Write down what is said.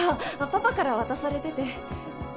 パパから渡されてて。